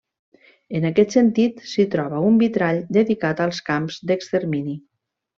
En aquest sentit, s'hi troba un vitrall dedicat als camps d'extermini.